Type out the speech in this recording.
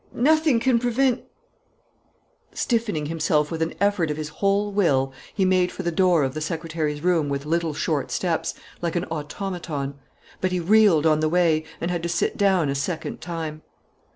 Nothing can prevent " Stiffening himself with an effort of his whole will, he made for the door of the secretary's room with little short steps, like an automaton. But he reeled on the way and had to sit down a second time.